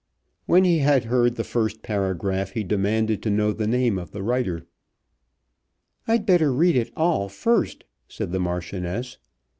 When he had heard the first paragraph he demanded to know the name of the writer. "I'd better read it all first," said the Marchioness.